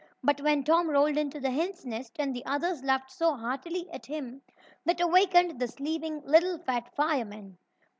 But when Tom rolled into the hen's nest, and the others laughed so heartily at him, that awakened the sleeping "little fat fireman."